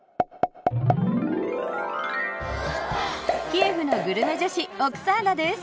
キエフのグルメ女子オクサーナです。